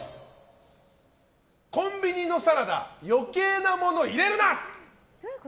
コンビニのサラダ余計なもの入れるな！